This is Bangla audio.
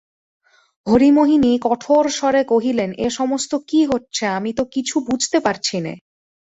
হরিমোহিনী কঠোর স্বরে কহিলেন, এ-সমস্ত কী হচ্ছে আমি তো কিছু বুঝতে পারছি নে।